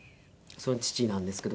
その父なんですけど。